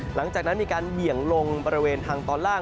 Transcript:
หลังจากนั้นมีการเบี่ยงลงบริเวณทางตอนล่าง